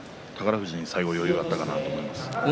富士に最後余裕があったかなと。